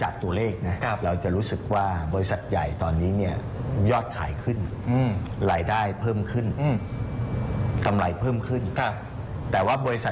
ก็จะติดตาก็เรียกว่า